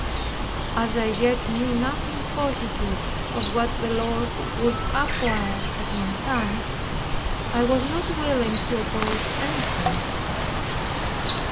As I yet knew nothing positive of what the Lord would acquire at my hand, I was not willing to oppose anything.